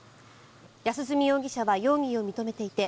安栖容疑者は容疑を認めていて